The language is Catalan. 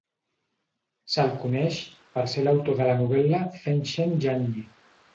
Se'l coneix per ser l'autor de la novel·la "Fengshen Yanyi".